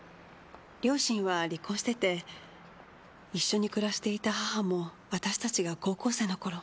両親は離婚してて一緒に暮らしていた母も私たちが高校生の頃。